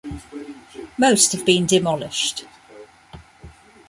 Most have been demolished.